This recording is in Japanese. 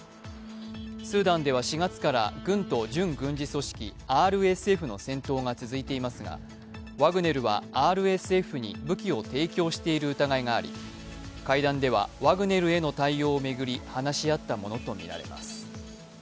スーダンでは４月から軍と準軍事組織ＲＳＦの戦闘が続いていますが、ワグネルはＲＳＦに武器を提供している疑いがあり、会談ではワグネルへの対応を巡り話し合ったものとみられます。